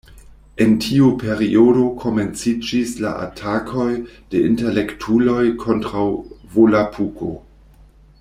En tiu periodo, komenciĝis la atakoj de intelektuloj kontraŭ Volapuko.